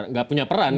nggak punya peran